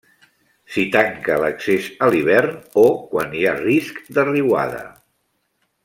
S'hi tanca l'accés a l'hivern o quan hi ha risc de riuada.